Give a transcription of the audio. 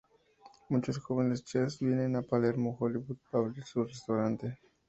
Muchos jóvenes chefs vienen a Palermo Hollywood para abrir su restaurante.